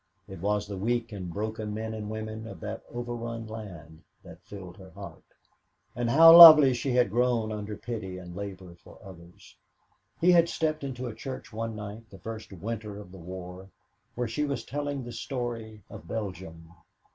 It was the weak and broken men and women of that over run land that filled her heart. And how lovely she had grown under pity and labor for others. He had stepped into a church one night, the first winter of the war, where she was telling the story of Belgium.